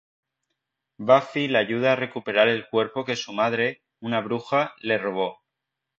Buffy la ayuda a recuperar el cuerpo que su madre, una bruja, le robó.